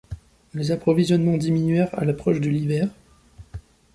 Les approvisionnements diminuèrent à l'approche de l'hiver.